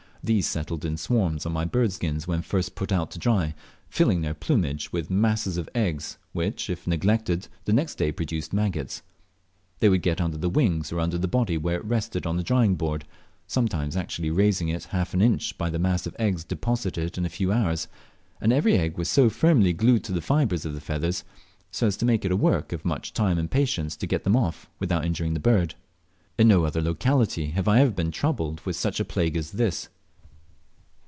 These settled in swarms on my bird skins when first put out to dry, filling their plumage with masses of eggs, which, if neglected, the next day produced maggots. They would get under the wings or under the body where it rested on the drying board, sometimes actually raising it up half an inch by the mass of eggs deposited in a few hours; and every egg was so firmly glued to the fibres of the feathers, as to make it a work of much time and patience to get them off without injuring the bird. In no other locality have I ever been troubled with such a plague as this.